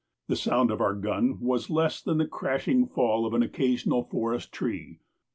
The sound of our guns was less than the crashing fall of an occasional forest tree.